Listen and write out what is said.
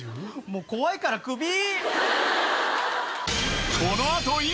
もう怖いからクビ！